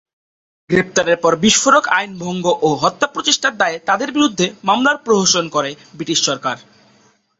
গ্রেপ্তারের পর বিস্ফোরক আইন ভঙ্গ ও হত্যা প্রচেষ্টার দায়ে তাদের বিরুদ্ধে মামলার প্রহসন করে ব্রিটিশ সরকার।